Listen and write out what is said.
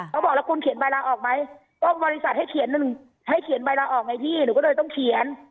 เขาบอกแล้วคุณเขียนใบลาออกไหมก็บริษัทให้เขียนหนึ่งให้เขียนใบลาออกไงพี่หนูก็เลยต้องเขียน